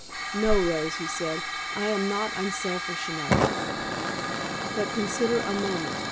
"No, Rose," he said, "I am not unselfish enough." "But, consider a moment.